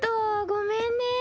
ごめんね。